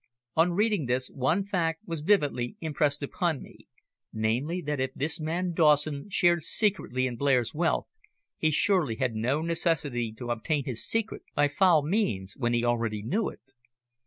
On reading this, one fact was vividly impressed upon me, namely, that if this man Dawson shared secretly in Blair's wealth he surely had no necessity to obtain his secret by foul means, when he already knew it.